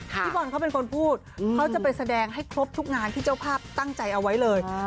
พี่บอลเขาเป็นคนพูดเขาจะไปแสดงให้ครบทุกงานที่เจ้าภาพตั้งใจเอาไว้เลย